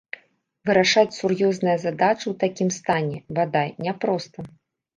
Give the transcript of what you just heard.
Вырашаць сур'ёзныя задачы ў такім стане, бадай, няпроста.